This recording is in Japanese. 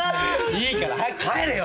いいから早く帰れよお前。